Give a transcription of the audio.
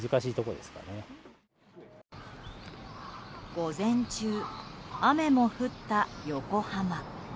午前中、雨も降った横浜。